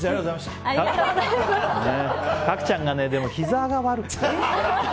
角ちゃんがひざが悪くてね。